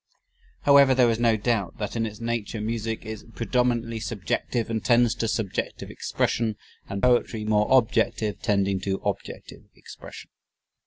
However, there is no doubt that in its nature music is predominantly subjective and tends to subjective expression, and poetry more objective tending to objective expression.